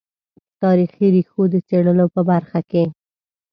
تاریخي ریښو د څېړلو په برخه کې.